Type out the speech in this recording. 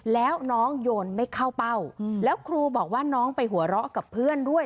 แล้วน้องโยนไม่เข้าเป้าแล้วครูบอกว่าน้องไปหัวเราะกับเพื่อนด้วย